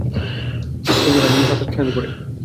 বন্ধুরা, আজ আমি সাত আসমানের উপরে।